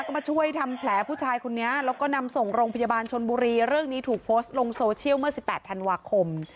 ก็มาช่วยทำแผลผู้ชายคนนี้แล้วก็นำส่งโรงพยาบาลชนบุรีเรื่องนี้ถูกโพสต์ลงโซเชียลเมื่อสิบแปดธันวาคม